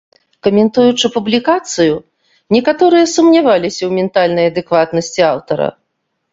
Каментуючы публікацыю, некаторыя сумняваліся ў ментальнай адэкватнасці аўтара.